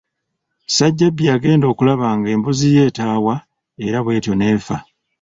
Ssajjabbi yagenda okulaba nga embuzi ye etaawa era bw'etyo n'efa.